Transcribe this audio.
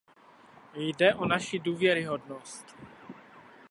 Jde o naši důvěryhodnost.